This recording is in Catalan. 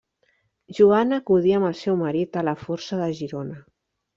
Joana acudí amb el seu marit a la Força de Girona.